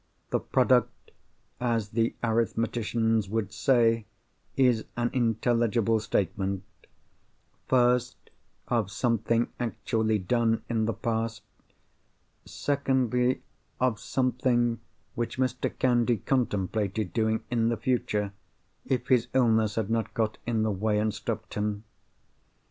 The product (as the arithmeticians would say) is an intelligible statement—first, of something actually done in the past; secondly, of something which Mr. Candy contemplated doing in the future, if his illness had not got in the way, and stopped him.